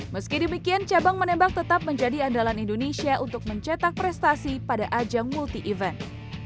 meski demikian cabang menembak tetap menjadi andalan indonesia untuk mencetak prestasi pada ajang multi event